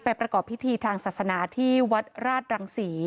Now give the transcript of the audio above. ประกอบพิธีทางศาสนาที่วัดราชรังศรี